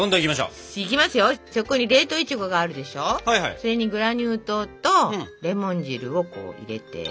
それにグラニュー糖とレモン汁を入れて。